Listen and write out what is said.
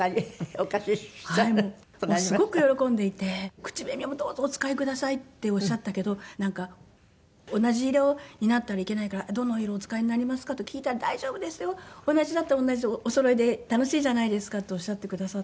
「口紅もどうぞお使いください」っておっしゃったけどなんか同じ色になったらいけないから「どの色お使いになりますか？」と聞いたら「大丈夫ですよ」「同じだったら同じでおそろいで楽しいじゃないですか」っておっしゃってくださって。